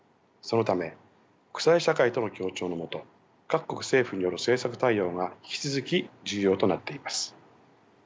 そのため国際社会との協調の下各国政府による政策対応が引き続き重要となっています。